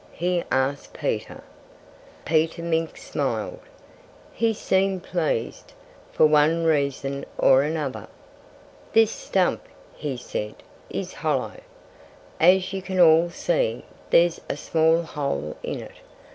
he asked Peter. Peter Mink smiled. He seemed pleased, for one reason or another. "This stump," he said, "is hollow. As you can all see, there's a small hole in it.